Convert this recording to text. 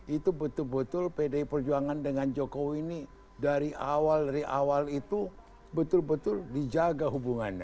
itu betul betul pdi perjuangan dengan jokowi ini dari awal dari awal itu betul betul dijaga hubungannya